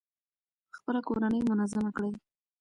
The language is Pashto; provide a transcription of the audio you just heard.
خپله کورنۍ منظمه کړئ.